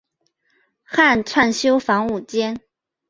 汉纂修房五间。